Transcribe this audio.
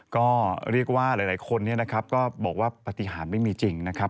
ก็เรียกว่าหลายคนเนี่ยนะครับก็บอกว่าปฏิหารไม่มีจริงนะครับ